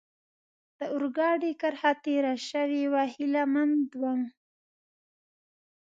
د اورګاډي کرښه تېره شوې وه، هیله مند ووم.